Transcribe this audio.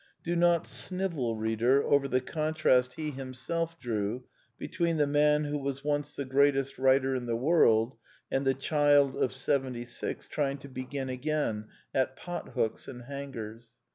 Do not snivel, reader, over the contrast he himself drew between the man who was once the greatest writer in the world, and the child of seventy six trying to begin again at pothooks and hangers.